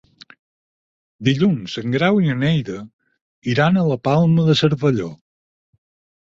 Dilluns en Grau i na Neida iran a la Palma de Cervelló.